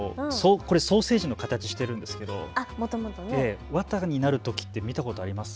これ、ソーセージの形をしているんですが綿になるとき見たことありますか？